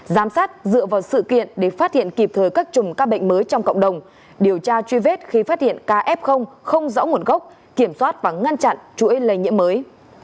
giám sát dựa vào sự kiện để phát hiện kịp thời các chùm các bệnh mới trong cộng đồng điều tra truy vết khi phát hiện ca f không rõ nguồn gốc kiểm soát và ngăn chặn chuỗi lây nhiễm mới